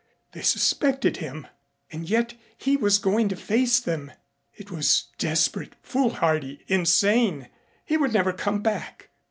They suspected him and yet he was going to face them. It was desperate, foolhardy, insane. He would never come back.